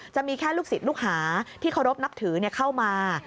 จะมีแค่ลูกศิษย์ลูกหาที่เคารพนับถือเข้ามา